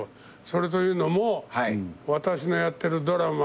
それというのも私のやってるドラマ。